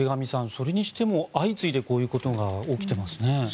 それにしても相次いでこういうことが起きていますね。